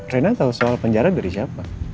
reina tau soal penjara dari siapa